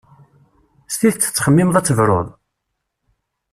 S tidet tettxemmimeḍ ad tebrud?